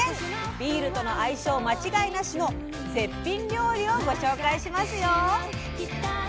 ビールとの相性間違いなしの絶品料理をご紹介しますよ。